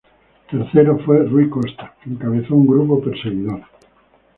Tercero fue Rui Costa que encabezó un grupo perseguidor.